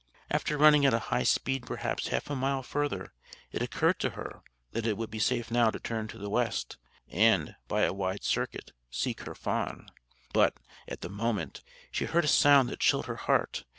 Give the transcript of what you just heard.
After running at a high speed perhaps half a mile further it occurred to her that it would be safe now to turn to the west, and, by a wide circuit, seek her fawn. But, at the moment, she heard a sound that chilled her heart.